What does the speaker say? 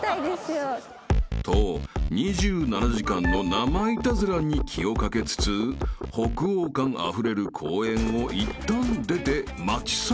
［と『２７時間』の生イタズラに気を掛けつつ北欧感あふれる公園をいったん出て街散歩へ］